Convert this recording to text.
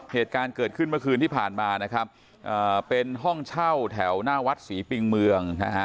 เหตุการณ์เกิดขึ้นเมื่อคืนที่ผ่านมานะครับเป็นห้องเช่าแถวหน้าวัดศรีปิงเมืองนะฮะ